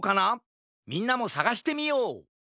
みんなもさがしてみよう！